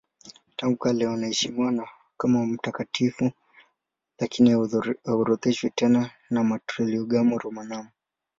Tangu kale wanaheshimiwa kama mtakatifu lakini haorodheshwi tena na Martyrologium Romanum.